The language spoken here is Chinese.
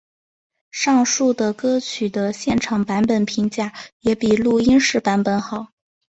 上述的歌曲的现场版本评价也比录音室版本好。